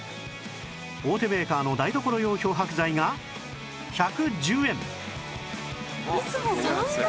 大手メーカーの台所用漂白剤が１１０円ウソ！